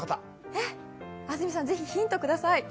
安住さん、ぜひヒントください。